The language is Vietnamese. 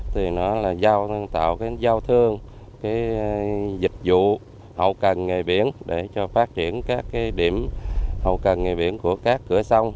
thì nó là tạo cái giao thương dịch vụ hậu cần nghề biển để cho phát triển các điểm hậu cần nghề biển của các cửa sông